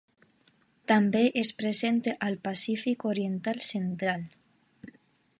També és present al Pacífic oriental central.